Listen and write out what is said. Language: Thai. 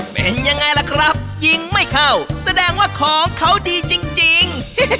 เป็นยังไงล่ะครับยิงไม่เข้าแสดงว่าของเขาดีจริง